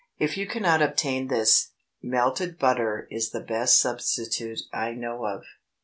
If you cannot obtain this, melted butter is the best substitute I know of.